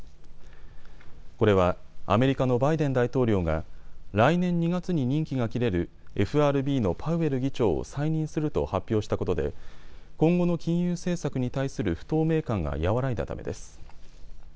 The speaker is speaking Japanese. これはアメリカのバイデン大統領が来年２月に任期が切れるＦＲＢのパウエル議長を再任すると発表したことで今後の金融政策に対する不透明感が和らいだためです。